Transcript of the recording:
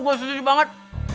gue setuju banget